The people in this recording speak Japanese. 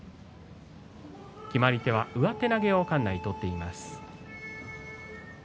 決まり手は上手投げ館内取っています。